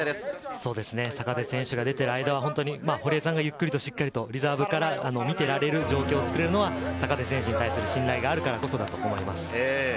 坂手選手が出ている間は本当に堀江さんがゆっくりリザーブから見ていられる状況を作るのは坂手選手がいてこそだと思います。